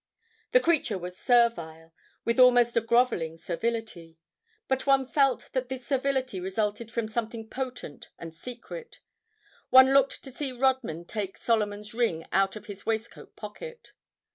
The creature was servile—with almost a groveling servility. But one felt that this servility resulted from something potent and secret. One looked to see Rodman take Solomon's ring out of his waistcoat pocket.